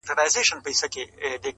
o توره کښلې، کونه کښلې٫